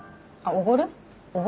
おごる？